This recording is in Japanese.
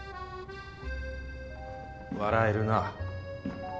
笑えるな。